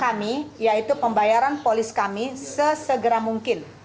kami yaitu pembayaran polis kami sesegera mungkin